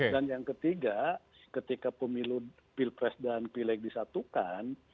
dan yang ketiga ketika pemilu pilpres dan pileg disatukan